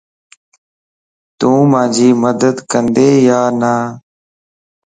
تون مانجي مدد ڪندي يا نا؟